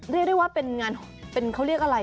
เรียกได้ว่าเป็นงานเค้าเรียกอะไรอ่ะ